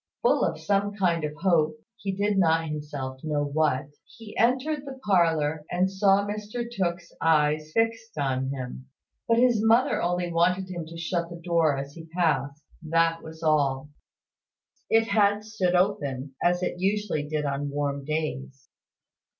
Full of some kind of hope (he did not himself know what), he entered the parlour, and saw Mr Tooke's eyes fixed on him. But his mother only wanted him to shut the door as he passed; that was all. It had stood open, as it usually did on warm days.